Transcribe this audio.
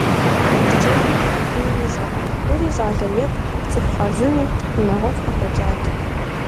Хъыджэбзми къыхихынур ищӏэркъым: тӏури щӏалэ екӏут, цӏыху хъарзынэт, унагъуэфӏ къыхэкӏат.